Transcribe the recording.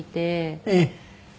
ええ。